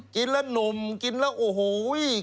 กินแล้วหนุ่มกินแล้วโอ้โห